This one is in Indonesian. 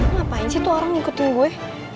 ngapain sih tuh orang ngikutin gue